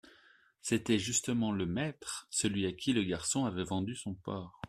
C'était justement «le maître», celui à qui le garçon avait vendu son porc.